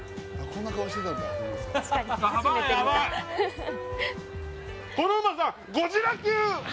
こんな顔してたんだ、木村さん。